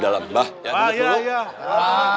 ya sudah lah